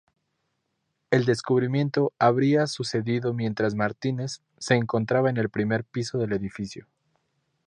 El descubrimiento habría sucedido mientras Martínez, se encontraba en el primer piso del edificio.